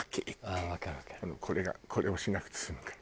これがこれをしなくて済むから。